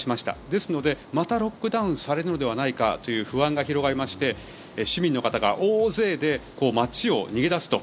ですのでまたロックダウンされるんじゃないかという不安が広がりまして市民の方が大勢で街を逃げ出すと。